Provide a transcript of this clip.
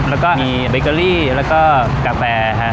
แล้วก็มีเบเกอรี่แล้วก็กาแฟครับ